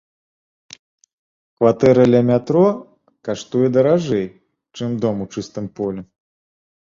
Кватэра ля метро каштуе даражэй, чым дом у чыстым полі.